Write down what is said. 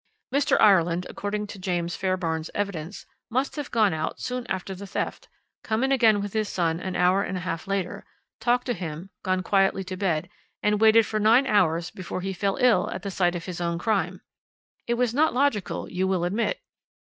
"Mr. Ireland, according to James Fairbairn's evidence, must have gone out soon after the theft, come in again with his son an hour and a half later, talked to him, gone quietly to bed, and waited for nine hours before he fell ill at sight of his own crime. It was not logical, you will admit.